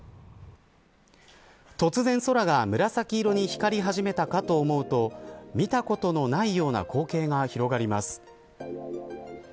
突然、空が紫色に光り始めたかと思うと見たことのないような光景が広がります。